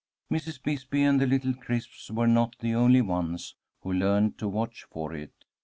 Mrs. Bisbee and the little Crisps were not the only ones who learned to watch for it.